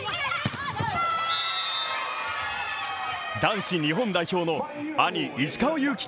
男子日本代表の兄、石川祐希